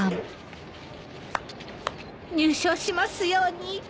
入賞しますように。